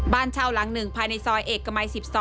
บ้านเช่าหลัง๑ภายในซอยเอกมัย๑๒